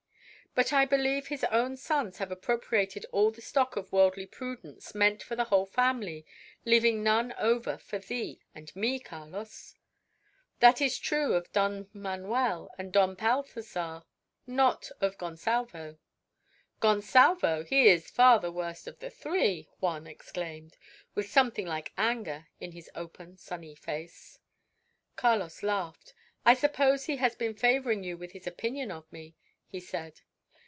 But I believe his own sons have appropriated all the stock of worldly prudence meant for the whole family, leaving none over for thee and me, Carlos." "That is true of Don Manuel and Don Balthazar, not of Gonsalvo." "Gonsalvo! he is far the worst of the three," Juan exclaimed, with something like anger in his open, sunny face. Carlos laughed. "I suppose he has been favouring you with his opinion of me," he said.